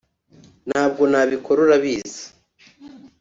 ntabwo nabikora urabizi.